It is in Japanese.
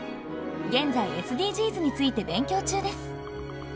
現在ＳＤＧｓについて勉強中です。